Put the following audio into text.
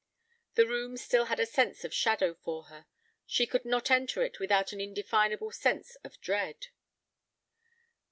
The room still had a sense of shadow for her. She could not enter it without an indefinable sense of dread.